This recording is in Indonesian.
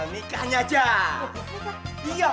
asik banget sih